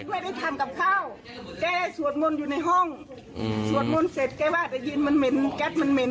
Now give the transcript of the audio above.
ที่ห้องสวดมนต์เสร็จแก้ว่าจะยินมันเหม็นแก๊สมันเหม็น